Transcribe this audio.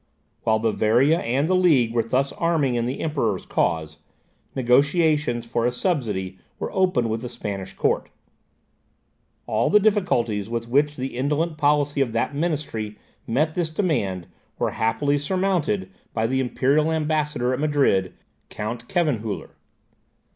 While Bavaria and the League were thus arming in the Emperor's cause, negotiations for a subsidy were opened with the Spanish court. All the difficulties with which the indolent policy of that ministry met this demand were happily surmounted by the imperial ambassador at Madrid, Count Khevenhuller.